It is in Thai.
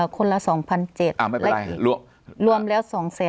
คนละ๒๗๐๐บาทรวมแล้ว๒๐๐๐